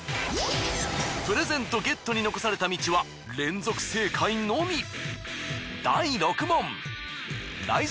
プレゼントゲットに残された道は連続正解のみ。